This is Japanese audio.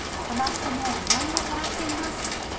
ッ子の話題をさらっています